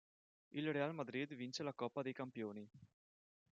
Il Real Madrid vince la Coppa dei Campioni.